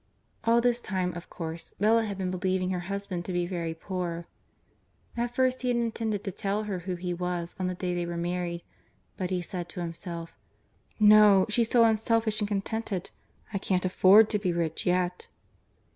All this time, of course, Bella had been believing her husband to be very poor. At first he had intended to tell her who he was on the day they were married, but he said to himself: "No, she's so unselfish and contented I can't afford to be rich yet."